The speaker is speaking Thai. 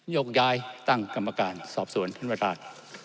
ยกย้ายตั้งกรรมการสอบสวนท่านประธาน